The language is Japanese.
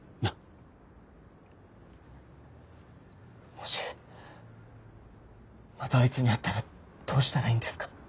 もしまたあいつに会ったらどうしたらいいんですか？